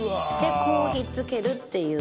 こう引っ付けるっていう。